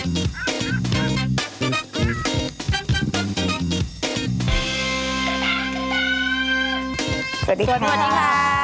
สวัสดีค่ะ